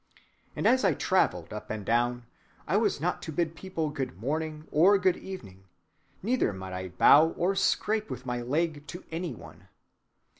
And as I traveled up and down, I was not to bid people Good‐morning, or Good‐evening, neither might I bow or scrape with my leg to any one.